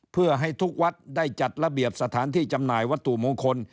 เพื่อให้ทุกวัดได้จัดระเบียบสถานที่จำหน่ายวัตถุมงคล